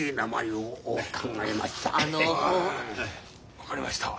分かりました。